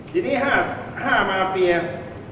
ทีนี้๕มาเปลี่ยน